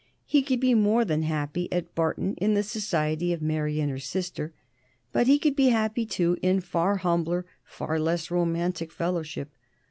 He could be more than happy at Barton, in the society of Mary and her sister. But he could be happy too, in far humbler, far less romantic fellowship.